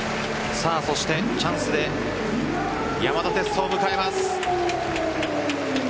そしてチャンスで山田哲人を迎えます。